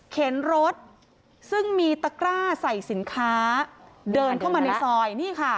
รถซึ่งมีตะกร้าใส่สินค้าเดินเข้ามาในซอยนี่ค่ะ